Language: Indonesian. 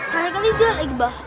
kalian kan juga lagi bah